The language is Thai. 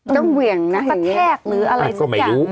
ต้องเวี่ยงนะต้องปะแทกหรืออะไรสักอย่าง